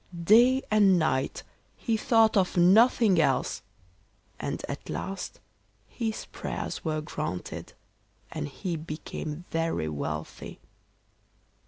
Day and night he thought of nothing else, and at last his prayers were granted, and he became very wealthy.